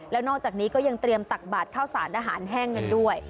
แล้วนอกจากนี้ก็ยังเตรียมตักบาดข้าวสารอาหารแห้งกันด้วย